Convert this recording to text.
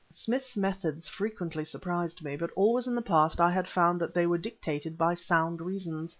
Smith's methods frequently surprised me, but always in the past I had found that they were dictated by sound reasons.